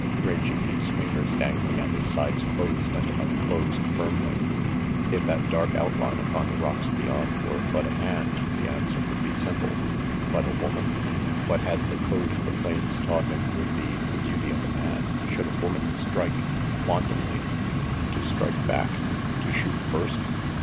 Rangy Pete's fingers, dangling at his sides, closed and unclosed firmly. If that dark outline upon the rocks beyond were but a man, the answer would be simple. But a woman? What had the code of the plains taught him would be the duty of a man, should a woman strike, wantonly? To strike back? To shoot first?